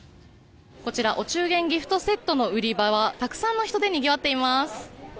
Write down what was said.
こちらお中元ギフトセットの売り場はたくさんの人でにぎわっています。